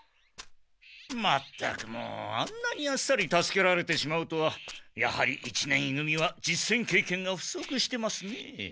まったくもうあんなにあっさり助けられてしまうとはやはり一年い組は実戦経験が不足してますねえ。